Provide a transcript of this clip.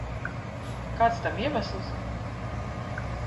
Kāds tam iemesls?